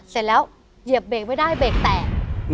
เสร็จแล้วเหยียบเบรกไม่ได้เบรกแตก